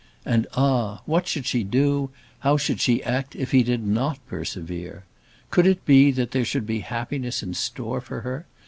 And, ah! what should she do, how should she act if he did not persevere? Could it be that there should be happiness in store for her?